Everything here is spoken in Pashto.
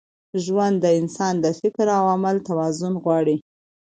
ژوند د انسان د فکر او عمل توازن غواړي.